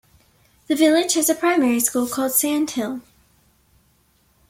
The village has a primary school called Sandhill.